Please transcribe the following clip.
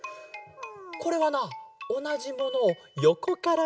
これはなおなじものをよこからみたかげだ。